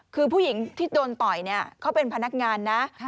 คือผู้หญิงที่โดนต่อยเนี่ยเขาเป็นพนักงานนะ